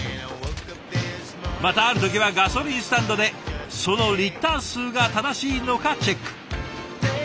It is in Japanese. またある時はガソリンスタンドでそのリッター数が正しいのかチェック。